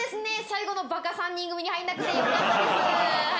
最後のバカ３人組に入んなくてよかったですはい。